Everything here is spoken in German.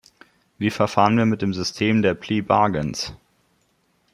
Wie verfahren wir mit dem System der plea bargains?